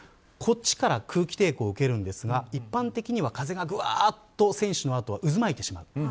こっちから空気抵抗を受けるんですが一般的には風がぐわっと選手の後は渦巻いてしまう。